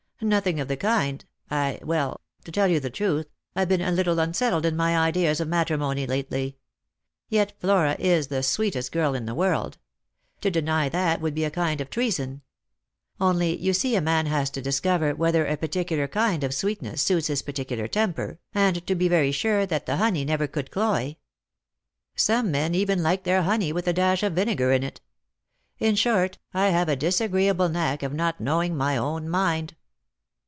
" Nothing of the kind — I — well — to tell you the truth, I've been a little unsettled in my ideas of matrimony lately. Yet Flora is the sweetest girl in the world. To deny that would be a kind of Veason. Only you see a man has to discover whether a particular kind of sweetness suits his particular temper, and to be very sure that the honey never could cloy. Some men even like their honey with a dash of vinegar in it. In short, I have a disagreeable knack of not knowing my own mind."